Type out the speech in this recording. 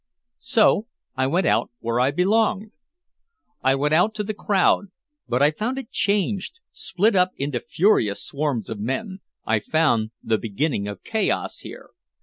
So I went out where I belonged. I went out to the crowd but I found it changed, split up into furious swarms of men, I found the beginning of chaos here.